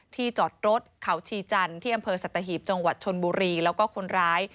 จอดรถเขาชีจันทร์ที่อำเภอสัตหีบจังหวัดชนบุรีแล้วก็คนร้าย